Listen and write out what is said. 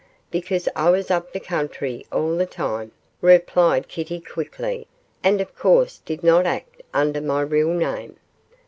'Because I was up the country all the time,' replied Kitty, quickly, 'and of course did not act under my real name.